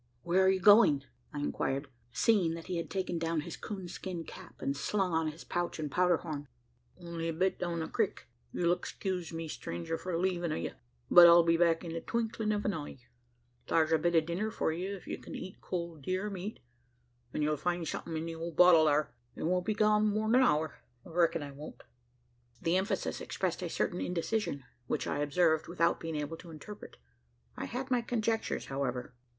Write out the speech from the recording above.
"Where are you going?" I inquired, seeing that he had taken down his coon skin cap, and slung on his pouch and powder horn. "Only a bit down the crik. You'll excuse me, stranger, for leavin' o' ye; but I'll be back in the twinklin' o' an eye. Thar's a bit o' dinner for ye, if you can eat cold deer meat; an' you'll find somethin' in the old bottle thar. I won't be gone more'n a hour. I reckon I won't." The emphasis expressed a certain indecision, which I observed without being able to interpret. I had my conjectures however.